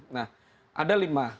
nah ada lima